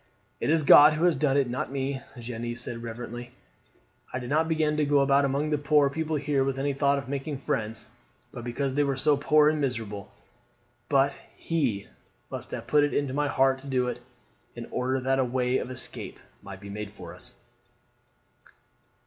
"It is God who has done it, not me," Jeanne said reverently. "I did not begin to go about among the poor people here with any thought of making friends, but because they were so poor and miserable; but He must have put it into my heart to do it, in order that a way of escape might be made for us."